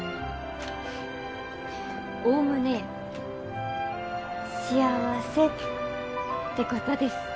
フフッ概ね幸せってことです。